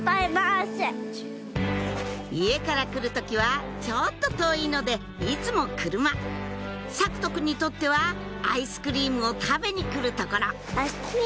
家から来る時はちょっと遠いのでいつも車咲翔くんにとってはアイスクリームを食べに来る所